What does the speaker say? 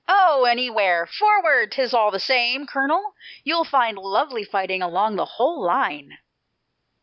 "Oh, anywhere! Forward! 'Tis all the same, Colonel: You'll find lovely fighting along the whole line!"